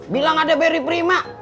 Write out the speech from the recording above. bilang ada beri prima